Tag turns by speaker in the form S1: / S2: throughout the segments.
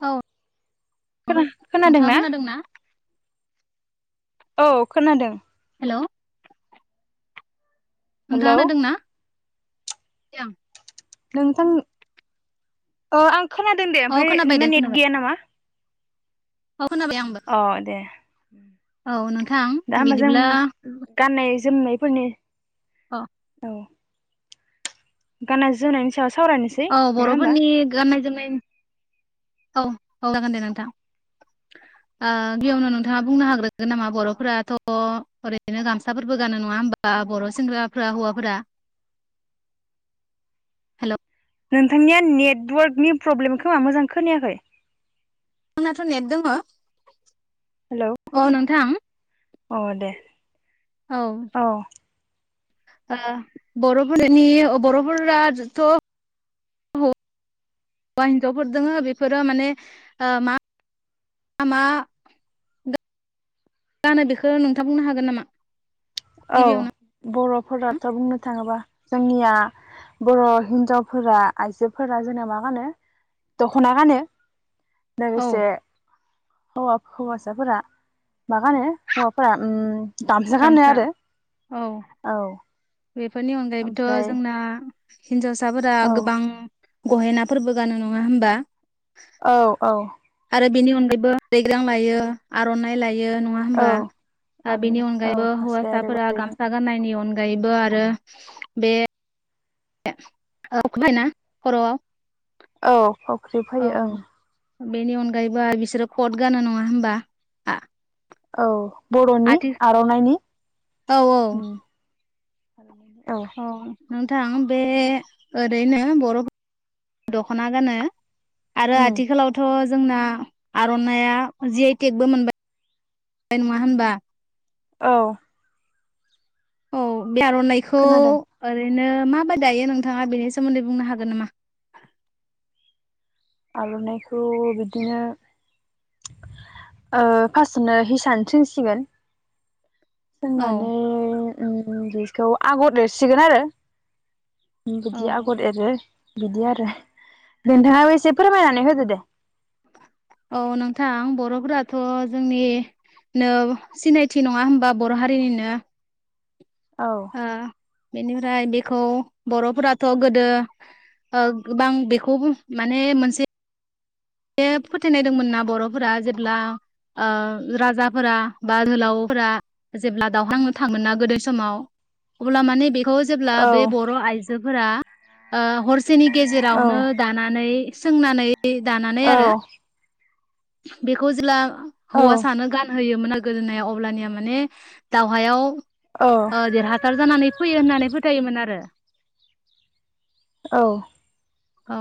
S1: औ नोंथाङा
S2: खोना-खोनादोंना?
S1: खोनादोंना
S2: औ खोनादों।
S1: हेल! नोंथाङा
S2: हेलौ
S1: खोनादों ना? [inaudible]
S2: नोंथां ओ आं खोनादों दे
S1: अ
S2: ओमफाय
S1: खोनाबाय दे
S2: नोंना नेट गैया नामा?
S1: अ खोनाबाय आंबो।
S2: अ दे
S1: औ नोंथां
S2: दा होमबा जों
S1: बिदिब्ला
S2: गाननाय जोमनायफोरनि
S1: अ।
S2: दे। गानाय जोनायनि साया
S1: औ बरफोरनि गान्नाय जोमनाय उम। औ औ जागोन दे नोंथां आ गिबियावनो नोंथाङा बुंनो हाग्रो नामा बरफोराथ ओरैनो गामसाफोरबो गानो नङा होमबा बर' सेंग्राफोरा हौवाफोरा हेल'
S2: नोंथांनिया नेटवर्कनि प्रब्लेमखौ मा मोजां खोनायाखै।
S1: आंनाथ' नेट दङ।
S2: हेलौ
S1: अ नोंथां।
S2: अ दे औ
S1: बर'फोरनि बर'फोराथ' हौवा हिनजावफोर दोङो बेफोरो माने मा मा जानो बेखौ नोंथां बुंनो हागोन नामा
S2: औ
S1: गिबियावनो
S2: बर' फोरथ' बुंनो थाङोबा जोंनिया बर' हिनजावफोरा आइजोफोरा जोंना मा गानो दख'ना गानो।
S1: औ
S2: लोगोसे हौवा हौवासाफोरा मागानो हौवाफोरा गामसा गानो आरो।
S1: औ बेफोरनि अनगायैबोथ'
S2: ओमफ्राय
S1: जोंना हिनजावसाफोरा
S2: औ
S1: गोबां गहेना फोरबो गानो नङा होमबा
S2: औ औ
S1: आरो बेनि अनगायैबो दैग्रां लायो आर'नाइ लायो। नङा
S2: औ
S1: होनबा
S2: आर'नाइ
S1: बेनि
S2: औ
S1: अनायैबो
S2: फास्राया आरो
S1: हौसाफोरा
S2: गस्लाया
S1: गामसा गाननायनि अनगायैबो आरो बे [unintelligible] खर'आव
S2: औ फावख्रि
S1: औ
S2: फैयो ओं।
S1: बेनि अनगायैबो बिसोरो कट गानो नङा होमबा?
S2: औ बर'नि
S1: आथि
S2: आर'नाइनि
S1: औ औ।
S2: आरो
S1: अह नोंथां बे ओरैनो बर' दख'ना गानो आरो
S2: उम
S1: आथिखालावथ' जोंना आर'नाइआ जि आइ टेकबो मोनबाय नङा होनबा?
S2: औ।
S1: औ। बे' आरनाइखौ
S2: खोनादों
S1: ओरै बिदिनो माबायदि दायो नोंथाङा बेनि सोमोन्दै बुंनो हागोन नामा?
S2: आर'नाइखौ बिदिनो ओ फार्स्टनो हिसान सोंसिगोन
S1: औ
S2: सोंनानै उम खौ आगर एरसिगोन आरो
S1: औ
S2: बिदि आगर एरो बिदि आरो नोंथाङाबो एसे फोरमायनानै होदो दे।
S1: औ नोंथां बर'फोराथ' जोंनिनो सिनायथि नङा होमबा बर' हारिनिनो।
S2: औ।
S1: ओ बेनिफ्राय बेखौ बर'फोराथ' गोदो ओ गोबां बेखौबो माने मोनसे बे फोथायनाय दंमोन ना बर'फोरा जेब्ला ओ राजाफोरा बा जोहोलावफोरा जेब्ला दावहा नांनो थाङोमोन ना गोदो समाव अब्ला माने बे खौ जेब्ला
S2: औ
S1: बे बर' आइजोफोरा ओ हरसेनि गेजेरावनो
S2: औ
S1: दानानै सोंनानै दानानै
S2: औ
S1: आरो बेखौ जेला हौवासानो गान होयोमोन गोदोनायाव अब्लानिया माने दावहायाव
S2: औ
S1: ओ देरहासार जानानै फैयो होननानै फोथायोमोन आरो
S2: औ।
S1: औ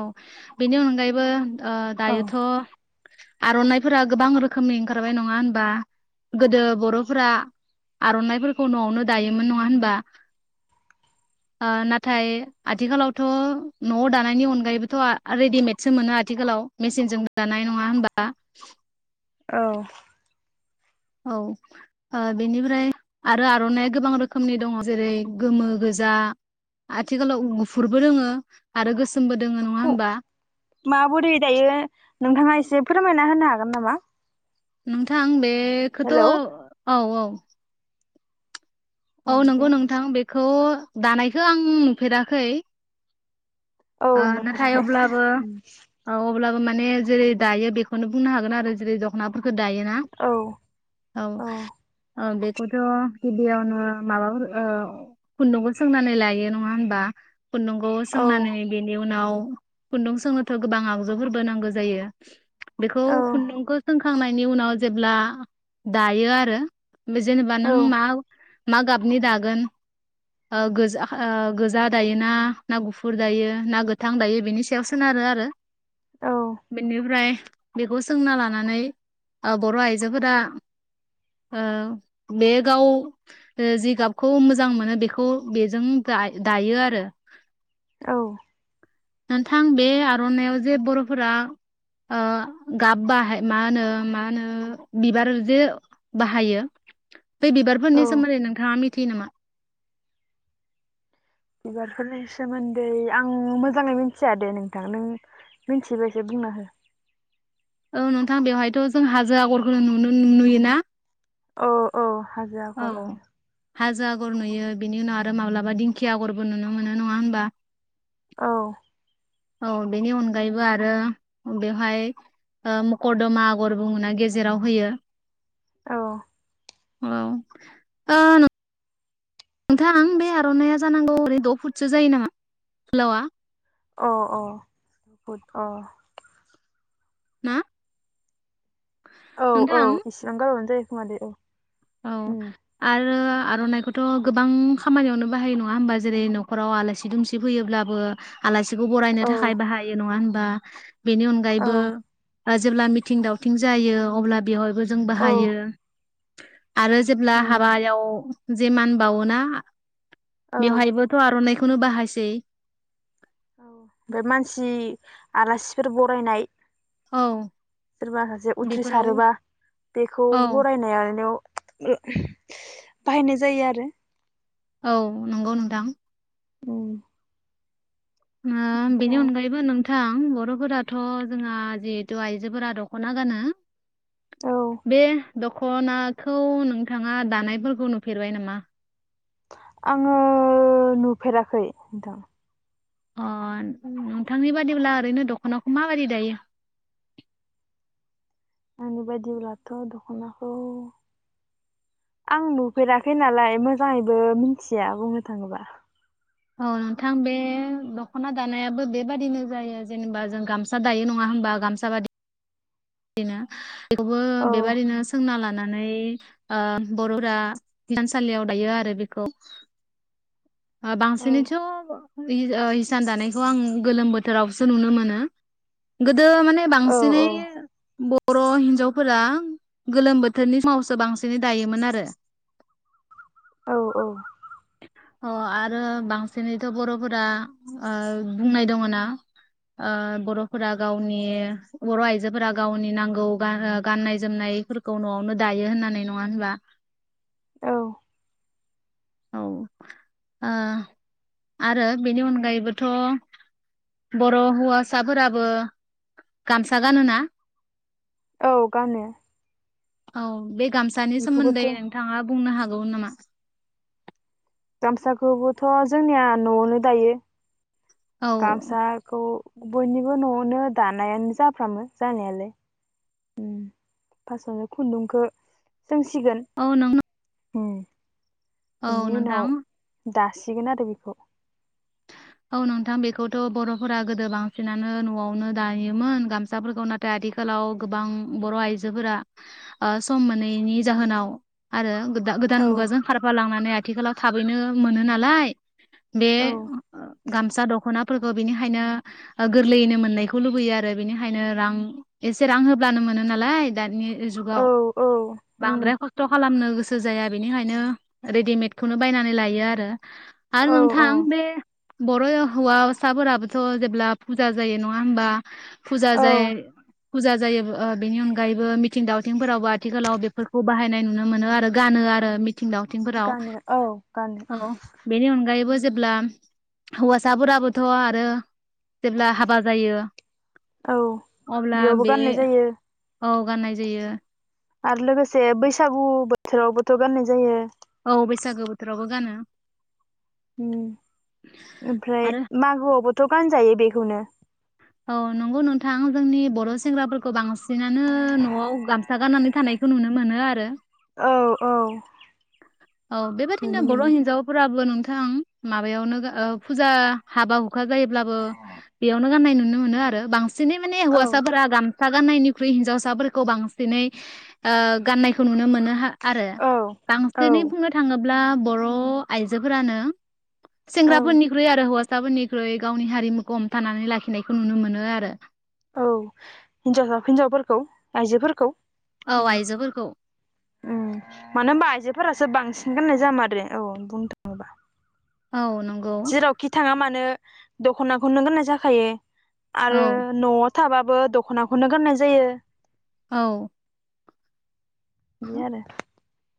S1: बेनि अनगायैबो ओ
S2: औ
S1: दायोथ' आर'नाइफोरा गोबां रोखोमनि ओंखारबाय नङा होनबा? गोदो बर'फोरा आर'नाफोरखौ न'आवनो दायोमोन नङा होनबा? नाथाय आथिखालावथ' न'आव दा नायनि अनगायैबोथ' रेदिमेदसो मोनो आथिखालाव मेसिनजों दानाय नङा होमबा?
S2: औ।
S1: औ ओ बेनिफ्राय आरो आर'नाइआ गोबां रोखोमनि दङ जेरै गोमो, गोजा आथिखालाव गुफुरबो दोङो आरो गोसो
S2: खौ माबोरै दायो नोंथाङा एसे फोरमायना होनो हागोन नामा?
S1: नोंथां बे बेखोथ'
S2: हेलौ
S1: औ औ। औ नंगौ नोंथां बे खौ दानायखो आं नुफेराखै।
S2: औ
S1: ओ नाथाय
S2: नुफेराखै
S1: अब्लाबो
S2: उम।
S1: औ अब्लाबो माने जेरै दायो बेखौनो बुंनो हागोन आरो जेरै दख'नाफोर खो दायोना
S2: औ
S1: औ ओ बे खौथ' गिबियावनो माबाफोर ओ खुन्दुंबो सोंनानै लायो नङा होनबा? खुन्दुंखौ
S2: औ
S1: सोंनानै बेनि उनाव खुन्दुं सोंनोथ' गोबां आगजुफोरबो नांगौ जायो। बेखौ खुन्दुंखौ जों सोंखांनायनि उनाव जेब्ला दायो आरो। बे जेनेबा नों
S2: औ
S1: माव मा गाबनि दागोन ओ गोजा ओ गोजा दायोना ना गुफुर दायो। ना गोथां दायो बेनि सायाव सोनारो आरो।
S2: औ
S1: बेनिफ्राय बेखौ सोंना लानानै बर' आइजोफोरा ओ बे गाव जि गाबखौ मोजां मोनो बेखौ बेजों दा दायो आरो।
S2: औ औ।
S1: नोंथां बे आर'नायाव जे बर'फोरा ओ गाब बाहाय मा होनो मा होनो बिबार जे बाहायो। बे बिबारफोरनि सोमोन्दै नोंथाङा मि थियो नामा?
S2: बिबारफोरनि सोमोन्दै आं मोजाङै मिथिया दे नोंथां नों मिनथियोबा एसे बुंना हो।
S1: औ नोंथां बेवहायथ' जों हाजो आगरखौ नुनो नुयोना?
S2: अ' अ'। हाजो
S1: औ
S2: आगर ओं।
S1: हाजो आग'र नुयो बिनि उनाव आरो माब्लाबा दिंखिया आग'रबो नुनो मोनो नङा होमबा?
S2: औ।
S1: औ बेनि अनगायैबो आरो बेवहाय ओ मकरदमा आग'र बुङोना गेजेराव होयो।
S2: औ।
S1: औ। ओ नोंथां बे आर'नाइया जानांगौ ओरै द' फुटसो जायो नामा गोलावा?
S2: अ' अ' बुद अ'।
S1: मा
S2: औ औ इसिबां गारबानो जायो [unintelligible]
S1: औ
S2: उम
S1: आरो आर'नाइखौथ' गोबां खामानियावनो बाहायो नङा होमबा जेरै नख'राव आलासि दुमसि फैयोब्लाबो आलासि खौ बरायनो
S2: औ
S1: थाखाय बाहायो नङा होनब बा बेनि
S2: औ
S1: अनगायैबो ओ जेब्ला मिथिं दावथिं जायो अब्ला बेवहायबो जों
S2: औ
S1: बाहायो आरो जेब्ला
S2: उम
S1: हाबायाव जेमान बावोना
S2: औ
S1: बेवहायबोथ' आर'नाय खौनो बाहायसै
S2: औ बे मानसि आलासिफोर बरायनाय
S1: औ
S2: सोरबा सासे
S1: बेफोराव
S2: उथ्रिसारोबा बेखौ
S1: औ
S2: बरायनाय [unintelligible] बाहायनाय जायो आरो
S1: औ नंगौ नोंथां
S2: औ
S1: [unintelligible] बेनि अनगायैबो नोंथ थां बर'फोराथ' जोंहा जिहेथु आइजोफोरा दख'ना गानो
S2: औ
S1: बे दख'नाखौ नोंथाङा दानायफोरखौ नुफेरबाय नामा?
S2: आङो नुफेराखै नोंथां
S1: अ नोंथांनि बादिब्ला ओरैनो दख'नाखौ माबायदि दायो?
S2: आंनि बायदिब्लाथ' दख'नाखौ आं नुफेराखै नालाय मोजाङैबो मिनथिया बुंनो थाङोबा
S1: औ नोंथां बे दख'ना दानायाबो बेबादिनो जायो जेनेबा जों गामसा दायो नङा मोनबा गामसा बादि इनो बेखौबो
S2: औ
S1: बेबादिनो सोंना लाना नै ओ बर'फोरा हिनसालियाव दायो आरो बेखौ ओ
S2: औ
S1: बांसिनैथ' ओ आं ओ हिसान दानायखौ आं गोलोम बोथोरावसो नुनो मोनो गोदो माने [unintelligible]
S2: औ
S1: बांसिनै ब बर' हिनजावफोरा गोलोम बोथोरनि समावसो बांसिनै दायोमोन आरो
S2: औ -औ
S1: अ आरो बांसिनैथ' बर'फोरा ओ बुंनाय दङ' ना ओ बर'फोरा गावनि बर' आइजोफोरा गावनि नांगौ गा ओ गाननाय जोमनायफोरखौ न'आवनो दायो होननानै नङा होनबा?
S2: औ
S1: औ ओ आरो बेनि अनगायैबोथ' बर' हौवासाफोराबो गामसा गानोना?
S2: औ गानो।
S1: औ बे गामसानि
S2: बेखौबोथ'
S1: सोमोन्दै नोंथाङा बुंनो हागौ नामा?
S2: गामसाखौबोथ' जोंनिया न'आवनो दायो।
S1: औ
S2: गामसाखौ बयनिबो न'आवनो दानायानो जाफ्रामो जानायालाय उम फार्सथआवनो खुन्दुंखौ सोंसिगोन
S1: औ नों
S2: [unintelligible]
S1: औ
S2: उनाव
S1: नोंथां।
S2: दासिगोन आरो बेखौ।
S1: औ नोंथां बेखौथ' बर'फोरा गोदो बांसिनानो न'आवनो दायोमोन गामसाफोरखौ नाथाय आथिखालाव गोबां बर' आइजोफोरा ओ सम मोनैनि जाहोनाव आरो गोदान-गोदान
S2: औ
S1: मुगाजों खारफा लांनानै थिखालाव थाबैनो मोनो नालाय। बे
S2: औ
S1: ओ गामसा दख'नाफोरखौ बिनिखायनो गोरलैयैनो मोननायखौ लुबैयो आरो बिनिखायनो रां एसे रां होब्लानो मोनो नालाय दानि बे जुगाव
S2: औ औ उम
S1: बांद्राय खस्थ' खालामनो गोसो [unintelligible] जाया बेनिखायनो रेडिमेदखौनो बायनानै लायो आरो। आरो
S2: औ औ
S1: नोंथां बे बर' हौवासाफोराबोथ' जेब्ला फुजा जायो नङा होनबा फुजा
S2: औ
S1: जायो फुजा जायो ओ बेनि अनगायैबो मिथिं दावथिंफोरावबो आथिखालाव बेफोरखौ बाहायनाय नुनो मोनो आरो गानो आरो। थिं दावथिंफोराव
S2: गानो औ गानो
S1: औ बेनि अनगायैबो जेब्ला हौवासाफोराबोथ' आरो जेब्ला हाबा जायो।
S2: औ
S1: अब्ला
S2: बेयावबो
S1: बे
S2: गाननाय जायो
S1: औ गाननाय जायो।
S2: आरो लोगोसे बैसागु बोथोरावबोथ' गाननाय जायो।
S1: औ बैसागो बोथोरावबो गानो।
S2: उम ओमफ्राय
S1: आरो
S2: मागोआवबो थ' गान जायो बेखौनो।
S1: औ नंगौ नोंथां जोंनि बर' सेंग्राफोरखौ बांसिनानो न'आव गामसा गारनानै थानायखौ नुनो मोनो आरो।
S2: औ औ।
S1: औ बेबायदिनो
S2: नुनो
S1: बर'
S2: मोनो
S1: हिन्जावफोराबो नों थां माबायावनो ओ फुजा हाबा हु खा जायोब्लाबो बेयावनो गाननाय नु नुनो मोनो आरो बांसि सिनै माने
S2: औ
S1: हौवासाफोरा गाम सा गाननायनिख्रुय हिन्जावसाफोरखौ बांसिनै ओ गाननायखौ नुनो मोनो हा आरो
S2: औ औ
S1: दिनै बुंनो थाङो ब्ला बर' आइजोफोरानो
S2: औ
S1: सेंग्राफोरनिख्रुय आरो हौवा साफोरनिख्रुय गावनि हारिमुखौ हमथानानै लाखिनायखौ नुनो मोनो आरो।
S2: औ हिन्जावसा हिनजावफोरखौ आइजोफोरखौ।
S1: औ
S2: उम
S1: आइजोफोरखौ
S2: उम मानो होनबा आइजोफोरासो बांसिन गाननाय जामारो औ बुंनो थाङोबा
S1: औ नंगौ
S2: जेरावखि थाङामानो दख'नाखौनो गाननाय जाखायो।
S1: औ
S2: आरो न'आव थाबाबो दख'नाखौनो गाननाय जायो।
S1: औ।
S2: बि आरो।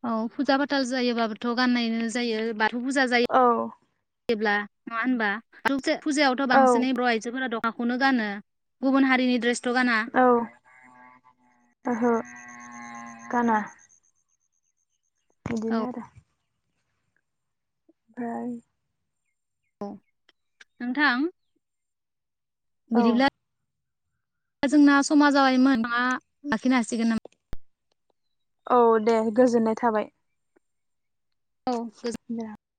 S1: औ फुजा फाथाल जायोबाबोथ' गाननायनो जायो बा थौ फुजा जायो
S2: औ
S1: जेब्ला नङा होनबा [unintelligible] फुजायावथ'
S2: औ
S1: बांसिनै बर' आइजोफोरा दख माखौनो गानो गुबुन हारिनि द्रेस
S2: औ ओहो। गाना।
S1: औ
S2: बिदिनो आरो। ओमफ्राय
S1: औ नोंथां
S2: औ
S1: बिदिब्ला जोंना समा जाबायमोन नोंथाङा लाखिनो हासिगोन नामा?
S2: औ दे गोजोननाय थाबाय।
S1: औ गोजोन
S2: दे